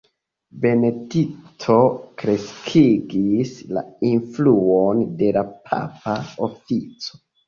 Benedikto kreskigis la influon de la papa ofico.